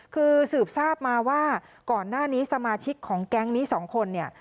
คือสืบทราบมาว่าก่อนหน้านี้สมาชิกของแก๊งนี้สองคนเนี่ย